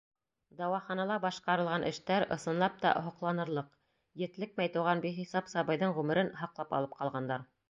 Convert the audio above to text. Дауаханала башҡарылған эштәр, ысынлап та, һоҡланырлыҡ: етлекмәй тыуған бихисап сабыйҙың ғүмерен һаҡлап алып ҡалғандар.